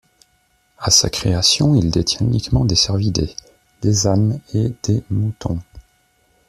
À sa création, il détient uniquement des cervidés, des ânes et des moutons.